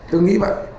tôi nghĩ vậy